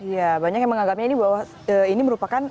ya banyak yang menganggapnya ini bahwa ini merupakan